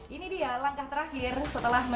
ini baunya udah sedap